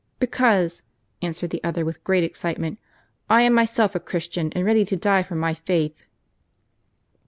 "Because," answered the other, with great excitement, "I am myself a Christian ; and ready to die for my faith